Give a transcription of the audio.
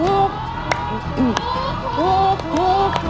ถูก